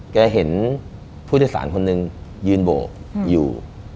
แกเห็นผู้โดยสารคนหนึ่งยืนโบกอยู่